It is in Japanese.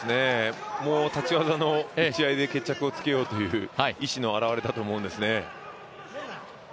立ち技の打ち合いで決着をつけようという意思の表れだと思うんですね。